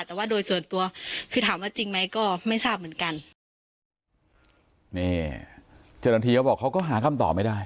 แต่ว่าโดยส่วนตัวคือถามว่าจริงไหมก็ไม่ทราบเหมือนกันนี่เจ้าหน้าที่เขาบอกเขาก็หาคำตอบไม่ได้